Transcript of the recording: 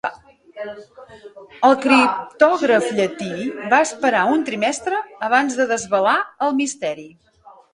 El criptògraf llatí va esperar un trimestre abans de desvelar el misteri.